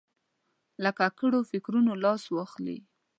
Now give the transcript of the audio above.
له ککړو فکرونو لاس واخلي.